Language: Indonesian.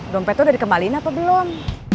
dompet udah dikembalin apa belum